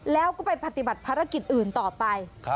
แล้วก็ไปปฏิบัติภารกิจอื่นต่อไป